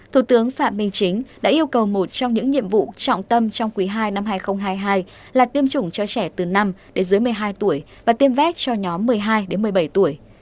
thủ tướng phạm minh chính đã yêu cầu một trong những nhiệm vụ trọng tâm trong quý ii năm hai nghìn hai mươi hai là tiêm chủng cho trẻ từ năm đến dưới một mươi hai tuổi và tiêm vét cho nhóm một mươi hai một mươi bảy tuổi